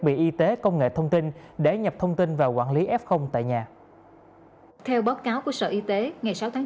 bị y tế công nghệ thông tin để nhập thông tin và quản lý f tại nhà theo báo cáo của sở y tế ngày sáu tháng